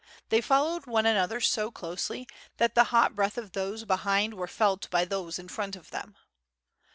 They followed one another so closely that the hot breath of those behind were felt by those in front of them.